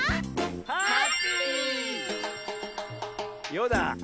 「よ」だ。